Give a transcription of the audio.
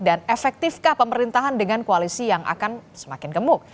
dan efektifkah pemerintahan dengan koalisi yang akan semakin gemuk